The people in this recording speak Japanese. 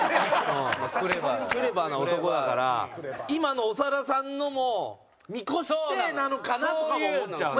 クレバーな男だから今の長田さんのも見越してなのかな？とかも思っちゃうの。